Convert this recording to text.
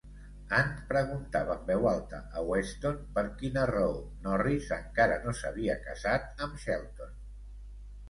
Anne preguntava en veu alta a Weston per quina raó Norris encara no s'havia casat amb Shelton.